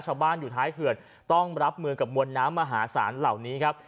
ชาวบ้านอยู่ท้ายเขื่อนต้องรับมือกับมวลน้ำมหาศาลเหล่านี้ครับ